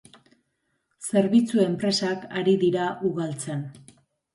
Zerbitzu enpresak ari dira ugaltzen